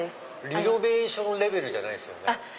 リノベーションレベルじゃないですよね？